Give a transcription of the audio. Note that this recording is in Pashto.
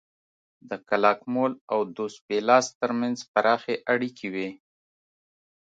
د کلاکمول او دوس پیلاس ترمنځ پراخې اړیکې وې